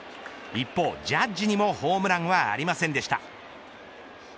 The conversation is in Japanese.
一方、ジャッジにもホームランはありませんでした。